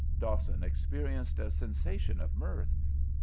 Dawson experienced a sensation of mirth.